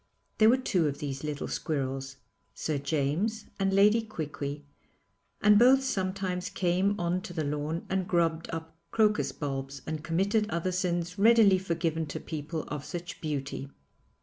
There were two of these little squirrels, Sir James and Lady Quiqui, and both sometimes came on to the lawn and grubbed up crocus bulbs and committed other sins readily forgiven to people of such beauty.